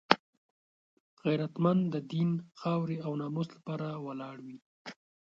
غیرتمند د دین، خاورې او ناموس لپاره ولاړ وي